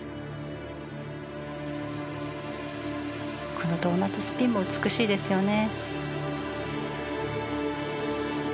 このドーナツスピンも美しいですよね。